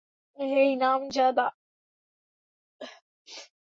হেই, নামজাদা।